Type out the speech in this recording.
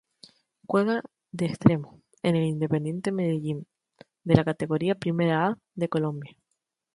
Juega de extremo en el Independiente Medellín de la Categoría Primera A de Colombia.